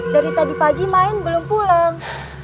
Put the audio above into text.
dari tadi pagi main belum pulang